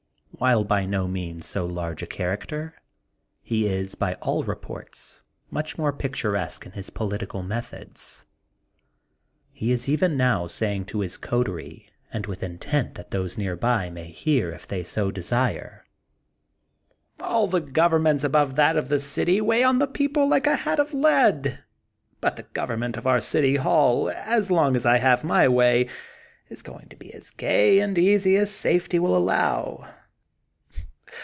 While by no means so large a character, he is, by aU reports, much more picturesque in his po litical methods. He is even now saying to his coterie and with intent that those near by may hear if they so desire: A11 the governments above that of the city weigh on the people like a hat of lead. But the government of our City Hall, as long as I have my way, is going to be as gay and easy as safety will allow.